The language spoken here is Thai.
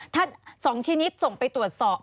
ถ้า๒ชนิดส่งไปตรวจสอบ